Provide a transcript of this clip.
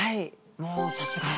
もうさすが。